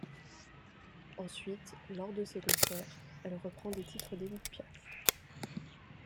Ensuite, lors de ses concerts, elle reprend des titres d'Édith Piaf.